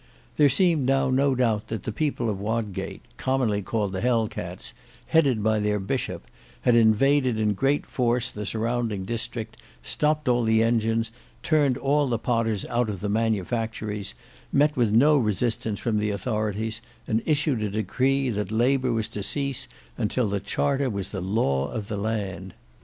There seemed now no doubt that the people of Wodgate, commonly called the Hell cats, headed by their Bishop, had invaded in great force the surrounding district, stopped all the engines, turned all the potters out of the manufactories, met with no resistance from the authorities, and issued a decree that labour was to cease until the Charter was the law of the land.